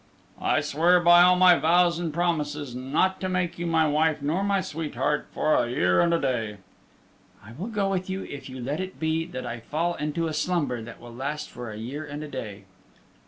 "I swear by all my vows and promises not to make you my wife nor my sweetheart for a year and a day." "I will go with you if you let it be that I fall into a slumber that will last for a year and a day."